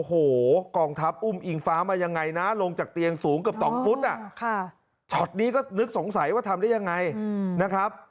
โอ้โหกองทัพอุ้มอิงฟ้ามายังไงนะลงจากเตียงสูงเกือบ๒ฟุตช็อตนี้ก็นึกสงสัยว่าทำได้ยังไงนะครับ